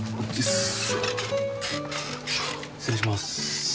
失礼します。